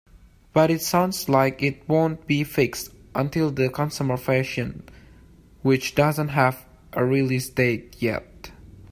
But it sounds like it won't be fixed until the consumer version, which doesn't have a release date yet.